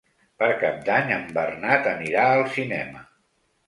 Per Cap d'Any en Bernat anirà al cinema.